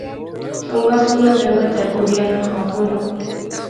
چنگا سوہنا جنگت ہر کڑیا ناں خواب ہونا